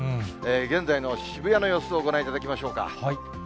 現在の渋谷の様子をご覧いただきましょうか。